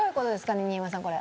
新山さんこれ。